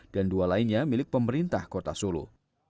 dan dua lainnya milik pemerintah kota solo